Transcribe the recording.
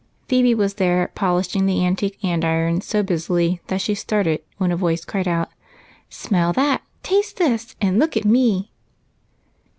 Phebe was there, polishing up the antique andirons so busily that she started when a voice cried out :" Smell that, taste this, and look at me